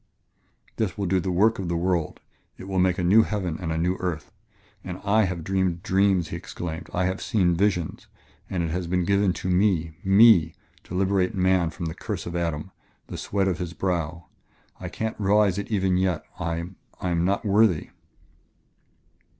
"This will do the work of the world: it will make a new heaven and a new earth! Oh, I have dreamed dreams," he exclaimed, "I have seen visions. And it has been given to me me! to liberate man from the curse of Adam ... the sweat of his brow.... I can't realize it even yet. I I am not worthy...."